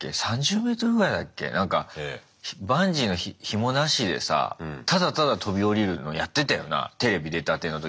なんかバンジーのひもなしでさただただ飛び降りるのやってたよなテレビ出たての時。